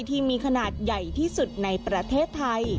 ที่มีขนาดใหญ่ที่สุดในประเทศไทย